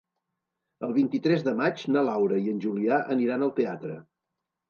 El vint-i-tres de maig na Laura i en Julià aniran al teatre.